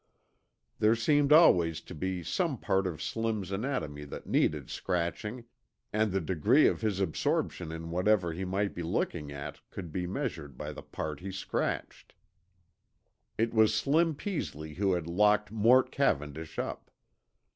There seemed always to be some part of Slim's anatomy that needed scratching, and the degree of his absorption in whatever he might be looking at could be measured by the part he scratched. It was Slim Peasley who had locked Mort Cavendish up.